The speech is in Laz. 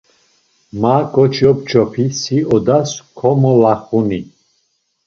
Ma ǩoçi op̌ç̌opi, si odas komolaxuni.